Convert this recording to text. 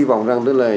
và ông trúng thầu rồi